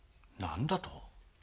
何だと？